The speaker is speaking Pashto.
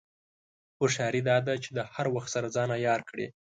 هوښیاري دا ده چې د هر وخت سره ځان عیار کړې.